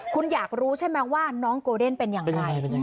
คุณอยากรู้ใช่ไหมว่าน้องโกเดนเป็นอย่างไร